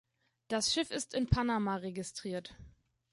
Das Schiff ist in Panama registriert.